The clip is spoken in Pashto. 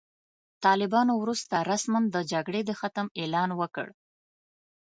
طالبانو وروسته رسماً د جګړې د ختم اعلان وکړ.